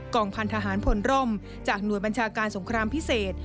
องพันธหารพลร่มจากหน่วยบัญชาการสงครามพิเศษ